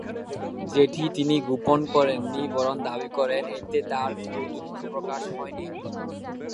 যেটি তিনি গোপন করেননি বরং দাবি করেন এতে তার কোন দুঃখ প্রকাশ হয়নি।